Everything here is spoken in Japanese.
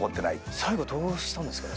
最後どうしたんですかね？